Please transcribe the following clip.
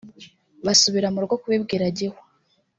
basubira mu rugo kubibwira Gihwa